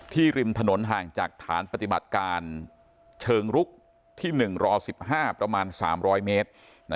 ริมถนนห่างจากฐานปฏิบัติการเชิงลุกที่๑ร๑๕ประมาณ๓๐๐เมตร